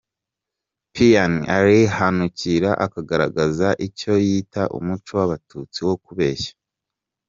Pean arihanukira akagaragaza icyo yita umuco w’abatutsi wo kubeshya.